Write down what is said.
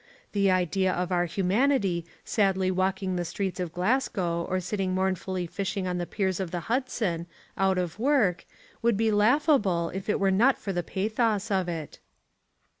The idea of our humanity sadly walking the streets of Glasgow or sitting mournfully fishing on the piers of the Hudson, out of work, would be laughable if it were not for the pathos of it.